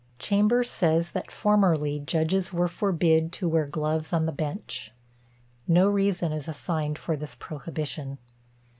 Chambers says that, formerly, judges were forbid to wear gloves on the bench. No reason is assigned for this prohibition.